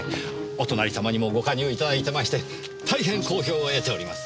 お隣様にもご加入いただいてまして大変好評を得ております。